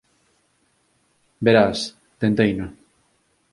Verás, tenteino.